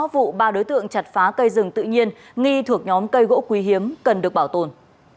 sáu vụ ba đối tượng chặt phá cây rừng tự nhiên nghi thuộc nhóm cây gỗ quý hiếm cần được bảo tồn